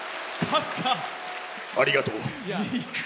ありがとう。